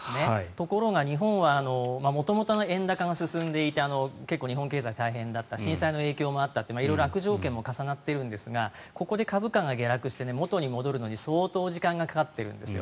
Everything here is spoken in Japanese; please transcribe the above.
ところが日本は元々円高が進んでいて結構、日本経済は大変だった震災も大変だったって色々、悪条件も重なっているんですがここで株価が下落して元に戻るのに相当時間がかかってるんですよ。